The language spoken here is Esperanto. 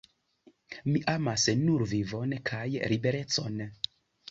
Mi amas nur vivon kaj liberecon"".